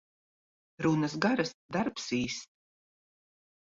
Runas garas, darbs īss.